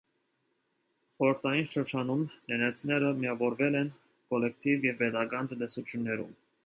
Խորհրդային շրջանում նենեցները միավորվել են կոլեկտիվ և պետական տնտեսություններում։